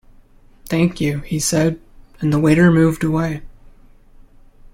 "Thank you," he said, and the waiter moved away.